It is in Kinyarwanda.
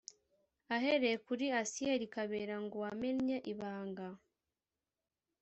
ahereye kuri Assiel Kabera ngo wamennye ibanga